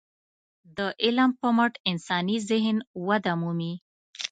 د علم په مټ انساني ذهن وده مومي.